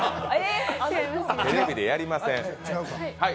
テレビでやりません。